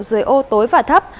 dưới ô tối và thấp